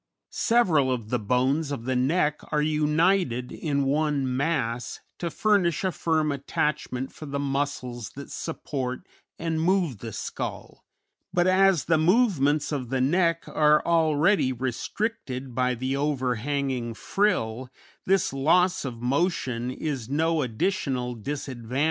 Several of the bones of the neck are united in one mass to furnish a firm attachment for the muscles that support and move the skull, but as the movements of the neck are already restricted by the overhanging frill, this loss of motion is no additional disadvantage.